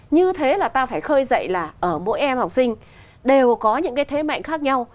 như thế là ta phải khơi dậy là ở mỗi em học sinh đều có những cái thế mạnh khác nhau